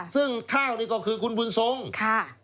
ซึ่งข้างนี้ก็คือคุณบุญสงส์